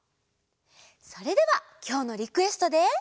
それではきょうのリクエストで。